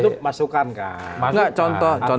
tapi itu masukan kan